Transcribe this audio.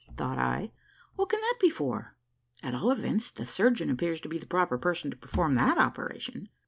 thought I, what can that be for? at all events, the surgeon appears to be the proper person to perform that operation.